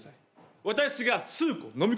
私が数個のみこみます。